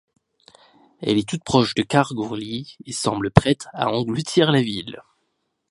Elle est toute proche de Kalgoorlie et semble prête à engloutir la ville.